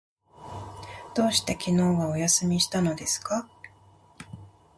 どうして昨日はお休みしたのですか？